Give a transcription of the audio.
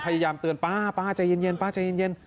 พยายามเตือนป้าป้าใจเย็น